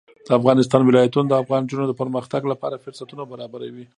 د افغانستان ولايتونه د افغان نجونو د پرمختګ لپاره فرصتونه برابروي.